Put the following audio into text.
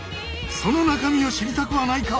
その中身を知りたくはないか？